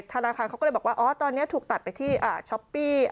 ธนาคารเขาก็เลยบอกว่าอ๋อตอนนี้ถูกตัดไปที่ช้อปปี้